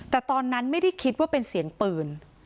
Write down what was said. แต่ตอนนั้นไม่ได้คิดว่าเป็นเสียงปืน